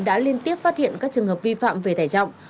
đã liên tiếp phát hiện các trường hợp vi phạm về tải trọng